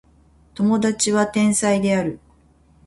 友達は天才である